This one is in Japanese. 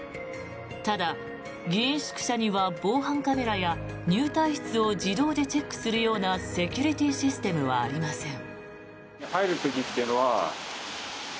ただ、議員宿舎には防犯カメラや入退室を自動でチェックするようなセキュリティーシステムはありません。